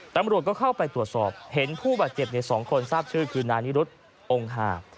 ตำรวจก็เข้าไปตรวจสอบเห็นผู้บาดเจ็บในสองคนที่ทราบชื่อคือนานิรุษฐ์องฮา